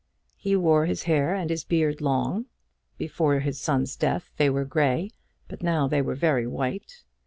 He wore his hair and his beard long; before his son's death they were grey, but now they were very white.